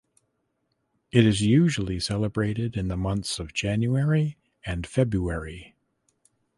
It is usually celebrated in the months of January and February.